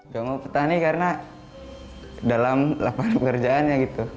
jangan mau petani karena dalam lapangan pekerjaannya gitu